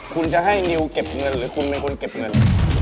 คุณจะให้นิวเก็บเงินหรือคุณเป็นคนเก็บเงิน